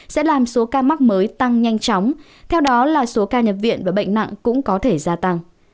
sẽ làm số ca mắc mới tăng nhanh chóng theo đó là số ca nhập viện và bệnh nặng cũng có thể gia tăng